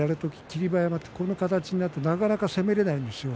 霧馬山はこの形になってなかなか攻められないんですよ。